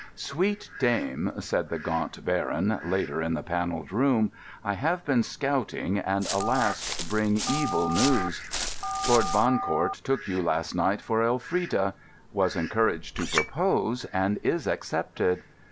"Sweet dame," said the Gaunt Baron, later, in the Panelled Room, "I have been scouting, and, alas! bring evil news. Lord Bancourt took you last night for Elfrida, was encouraged to propose, and is accepted.